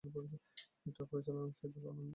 এটি পরিচালনা করেন সাইদুল আনাম টুটুল।